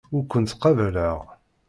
Ur kent-ttqabaleɣ.